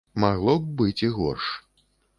Магло б быць і горш.